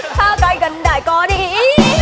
ถ้าใกล้กันได้ก็ดี